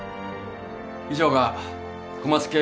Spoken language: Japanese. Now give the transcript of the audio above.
以上が小松圭吾